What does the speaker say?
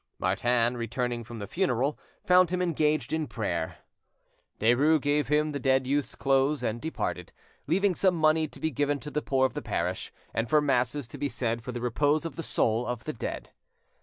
Martin, returning from the funeral, found him engaged in prayer. Derues gave him the dead youth's clothes and departed, leaving some money to be given to the poor of the parish, and for masses to be said for the repose of the soul of the dead.